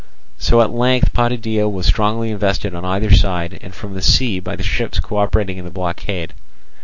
So at length Potidæa was strongly invested on either side, and from the sea by the ships co operating in the blockade.